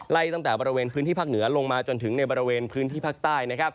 ตั้งแต่บริเวณพื้นที่ภาคเหนือลงมาจนถึงในบริเวณพื้นที่ภาคใต้